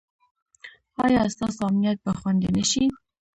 ایا ستاسو امنیت به خوندي نه شي؟